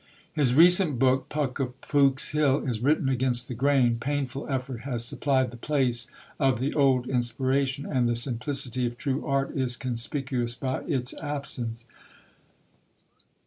His recent book, Puck of Pook's Hill, is written against the grain; painful effort has supplied the place of the old inspiration, and the simplicity of true art is conspicuous by its absence.